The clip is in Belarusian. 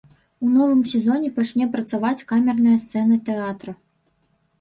У новым сезоне пачне працаваць камерная сцэна тэатра.